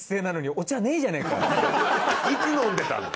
いつ飲んでたんだよ？